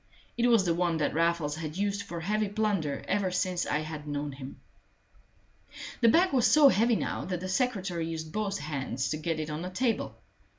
It was the one that Raffles had used for heavy plunder ever since I had known him. The bag was so heavy now that the secretary used both hands to get it on the table.